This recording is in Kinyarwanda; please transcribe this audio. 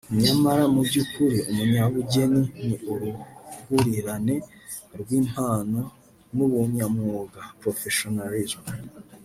nyamara mu by’ukuri umunyabugeni ni uruhurirane rw’impano n’ubunyamwuga (professionnalisme) »